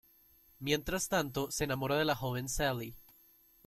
Mientras tanto, se enamora de la joven Sally.